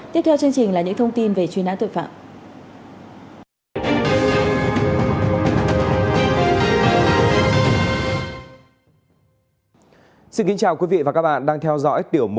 tiếp theo chương trình là những thông tin về truy nã tội phạm